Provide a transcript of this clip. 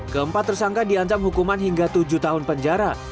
keempat tersangka diancam hukuman hingga tujuh tahun penjara